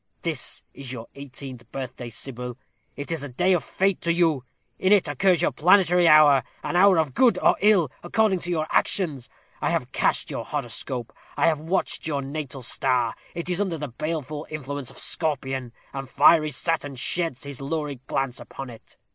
This is your eighteenth birthday, Sybil: it is a day of fate to you; in it occurs your planetary hour an hour of good or ill, according to your actions. I have cast your horoscope. I have watched your natal star; it is under the baleful influence of Scorpion, and fiery Saturn sheds his lurid glance upon it.